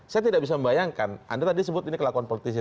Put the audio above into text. saya tidak bisa membayangkan anda tadi sebut ini kelakuan politisi